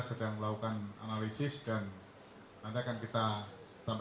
saya tidak akan menjawab itu karena itu sedang kita analisa